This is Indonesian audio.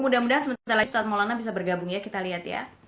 mudah mudahan sebentar lagi ustadz maulana bisa bergabung ya kita lihat ya